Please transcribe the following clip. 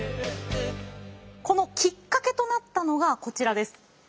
このきっかけとなったのがこちらです。